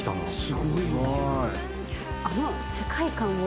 すごいわ！